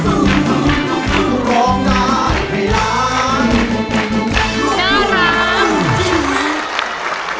ช่วงร้องได้ให้ร้าน